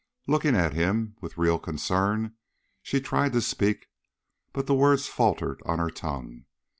Looking at him with real concern, she tried to speak, but the words faltered on her tongue.